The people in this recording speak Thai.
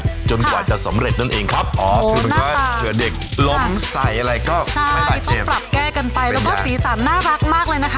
มากเขาเอามาจากไหนครับพี่อาร์ม